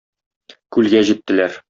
Күлгә җиттеләр.